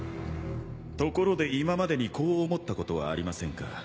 ところで今までにこう思ったことはありませんか？